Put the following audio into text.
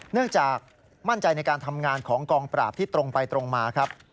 เนื่องจากมั่นใจในการทำงานของกองปราบที่ตรงไปตรงมาครับ